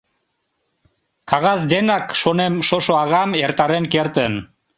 Кагаз денак, шонем, шошо агам эртарен кертын.